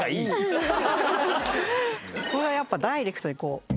ここがやっぱりダイレクトにこう。